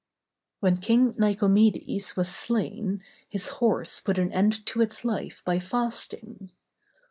When King Nicomedes was slain, his horse put an end to its life by fasting.